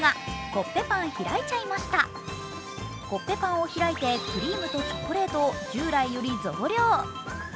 コッペパンを開いてクリームとチョコレートを従来より増量。